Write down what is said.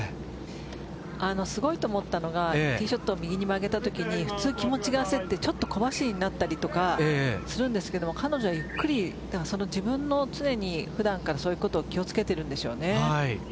すごいと思ったのがティーショット右に曲げたときに普通気持ちが焦ってちょっと小走りになったりするんですけど彼女はゆっくり自分の常に普段からそういうことを気を付けているんでしょうね。